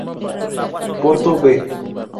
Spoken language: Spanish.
Porto "B".